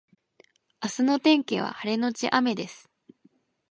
明日の天気は晴れのち雨です